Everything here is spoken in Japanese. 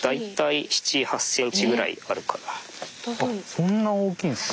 そんな大きいんですか。